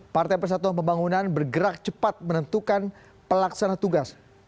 partai persatuan pembangunan bergerak cepat menentukan pelaksana tugas